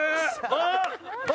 あっ！